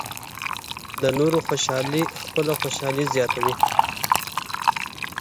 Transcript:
د نورو خوشالي خپله خوشالي زیاتوي،